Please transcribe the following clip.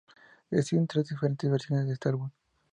Existen tres diferentes versiones de este álbum.